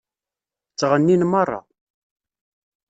Ttɣennin meṛṛa.